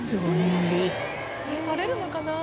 「えっ取れるのかな？」